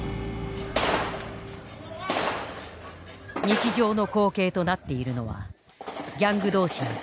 日常の光景となっているのはギャング同士の銃撃戦だ。